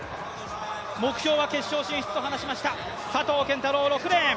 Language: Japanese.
目標は決勝進出と話しました、佐藤拳太郎６レーン。